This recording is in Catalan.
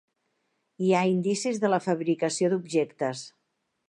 Hi ha indicis de la fabricació d'objectes.